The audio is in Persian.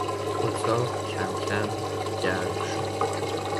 اتاق کمکم گرم شد.